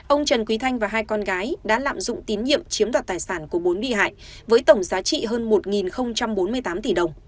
ông trần quý thanh và hai con gái đã lạm dụng tín nhiệm chiếm đoạt tài sản của bốn bị hại với tổng giá trị hơn một bốn mươi tám tỷ đồng